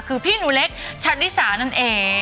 คือพี่หนูเล็กชันนิสานั่นเอง